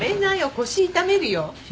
腰痛めるよ。